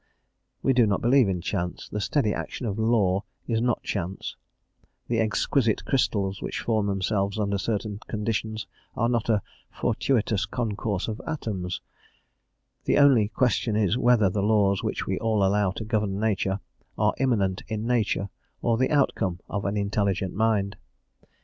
We do not believe in chance; the steady action of law is not chance; the exquisite crystals which form themselves under certain conditions are not a "fortuitous concourse of atoms:" the only question is whether the laws which we all allow to govern nature are immanent in nature, or the outcome of an intelligent mind.